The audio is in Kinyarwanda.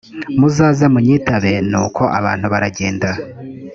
muzaze munyitabe nuko abantu baragenda